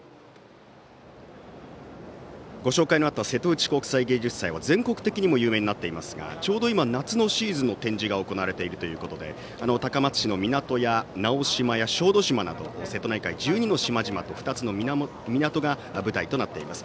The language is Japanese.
ご紹介にあった瀬戸内国際芸術際は全国的にも有名になっていますがちょうど今、夏のシーズンの展示が行われているということで高松市の小豆島など瀬戸内海１２の島々と２つの港が舞台となっています。